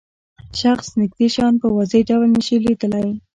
شخص نږدې شیان په واضح ډول نشي لیدلای.